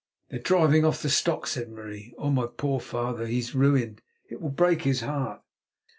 "They are driving off the stock," said Marie. "Oh! my poor father, he is ruined; it will break his heart."